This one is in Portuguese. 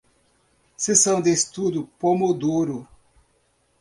Sessão de estudo pomodoro